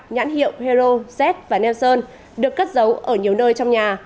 nhãn hiệu hero z và neoson được cất giấu ở nhiều nơi trong nhà